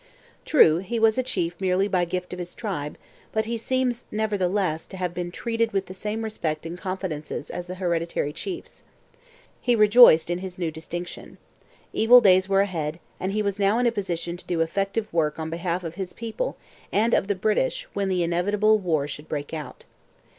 True, he was a chief merely by gift of his tribe, but he seems, nevertheless, to have been treated with the same respect and confidence as the hereditary chiefs. He rejoiced in his new distinction. Evil days were ahead, and he was now in a position to do effective work on behalf of his people and of the British when the inevitable war should break out.